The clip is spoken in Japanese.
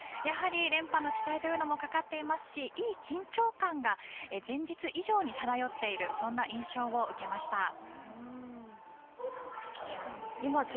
やはり連覇の期待というのもかかっていますしいい緊張感が前日以上に漂っているそんな印象を受けました。